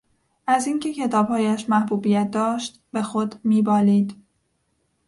از این که کتابهایش محبوبیت داشت به خود میبالید